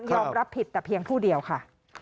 รับผิดแต่เพียงผู้เดียวค่ะ